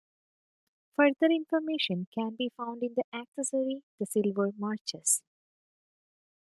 Further information can be found in the accessory "The Silver Marches".